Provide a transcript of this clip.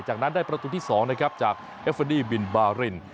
จากนั้นได้ประตูที่๒นะครับจากเอฟเฟอร์ดี้บินบาริน